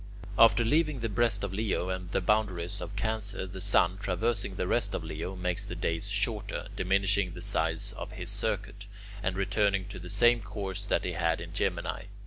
After leaving the breast of Leo and the boundaries of Cancer, the sun, traversing the rest of Leo, makes the days shorter, diminishing the size of his circuit, and returning to the same course that he had in Gemini.